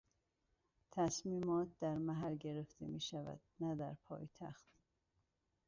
تصمیمات در محل گرفته میشود نه در پایتخت.